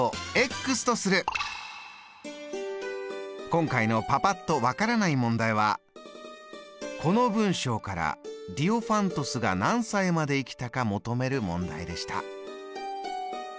今回のパパっと分からない問題はこの文章からディオファントスが何歳まで生きたか求める問題でした。